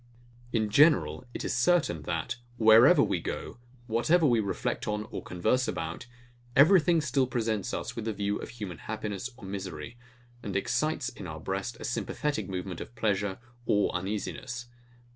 In general, it is certain, that, wherever we go, whatever we reflect on or converse about, everything still presents us with the view of human happiness or misery, and excites in our breast a sympathetic movement of pleasure or uneasiness.